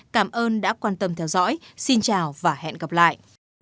cảm ơn đã quan tâm theo dõi xin chào và hẹn gặp lại